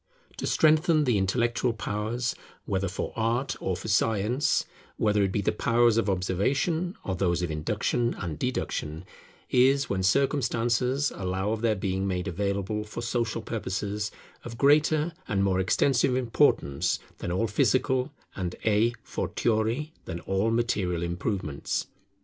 To strengthen the intellectual powers, whether for art or for science, whether it be the powers of observation or those of induction and deduction, is, when circumstances allow of their being made available for social purposes, of greater and more extensive importance, than all physical, and, a fortiori than all material improvements.